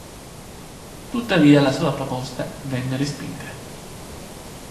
Tuttavia, la sua proposta venne respinta.